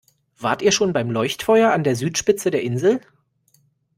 Wart ihr schon beim Leuchtfeuer an der Südspitze der Insel?